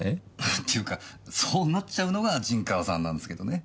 っていうかそうなっちゃうのが陣川さんなんすけどね。